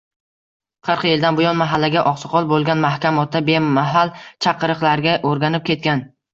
Qirq yildan buyon mahallaga oqsoqol bo`lgan Mahkam ota bemahal chaqiriqlarga o`rganib ketgan